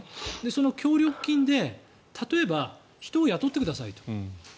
その協力金で例えば、人を雇ってくださいと。